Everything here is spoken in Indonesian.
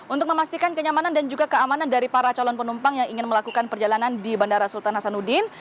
untuk memastikan kenyamanan dan juga keamanan dari para calon penumpang yang ingin melakukan perjalanan di bandara sultan hasanuddin